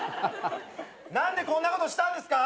何でこんなことしたんですか？